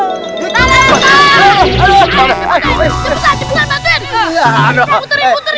cepetan cepetan bantuin